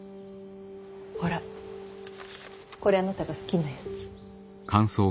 ほらこれあなたが好きなやつ。